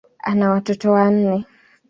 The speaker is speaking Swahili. Ana watoto wanne.